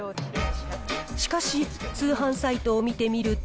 しかし、通販サイトを見てみると、